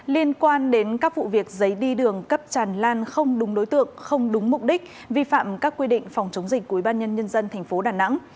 liên quan đến các vụ việc giấy đi đường cấp tràn lan không đúng đối tượng không đúng mục đích vi phạm các quy định phòng chống dịch của ủy ban nhân dân thành phố đà nẵng